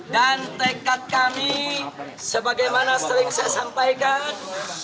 dan tekad kami sebagaimana sering saya sampaikan